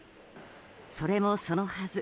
それもそのはず